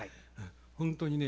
本当にね